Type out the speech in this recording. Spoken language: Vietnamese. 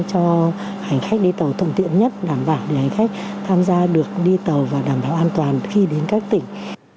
cho hành khách đi tàu thuận tiện nhất đảm bảo để hành khách tham gia được đi tàu và đảm bảo an toàn khi đến các tỉnh